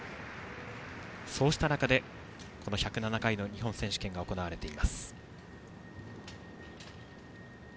そうした中で、１０７回目の日本選手権が行われています。